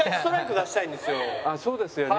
そうですよね。